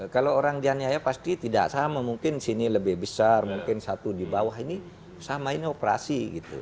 kalau orang dianiaya pasti tidak sama mungkin sini lebih besar mungkin satu di bawah ini sama ini operasi gitu